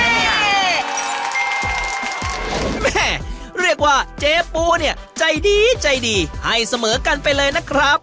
แม่เรียกว่าเจ๊ปูเนี่ยใจดีใจดีให้เสมอกันไปเลยนะครับ